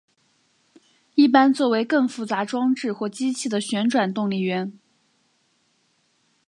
一般作为更复杂装置或机器的旋转动力源。